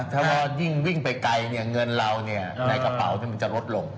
ถ้าว่ายิ่งวิ่งไปไกลเงินเราในกระเป๋ามันจะลดลง